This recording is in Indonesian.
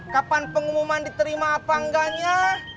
kapan pengumuman diterima apa enggaknya